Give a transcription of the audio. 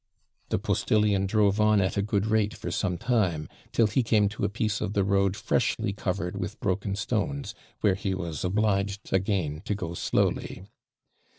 The postillion drove on at a good rate for some time, till he came to a piece of the road freshly covered with broken stones, where he was obliged again to go slowly.